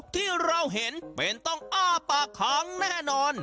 ที่เราเห็นเป็นต้องอ้าปากค้างแน่นอน